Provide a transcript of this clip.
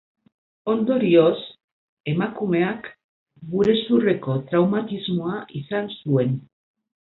Ondorioz, emakumeak burezurreko traumatismoa izan zuen.